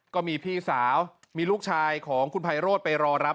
ก็มีพี่สาวมีลูกชายของคุณไพโรธไปรอรับ